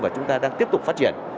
và chúng ta đang tiếp tục phát triển